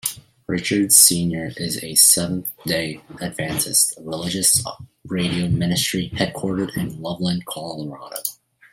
Richards, Senior is a Seventh-day Adventist religious radio ministry headquartered in Loveland, Colorado.